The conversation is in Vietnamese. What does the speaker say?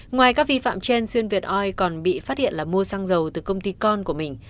ngoài các vi phạm trên xuyên việt oi còn bị phát hiện là mua xăng dầu từ công ty con của mình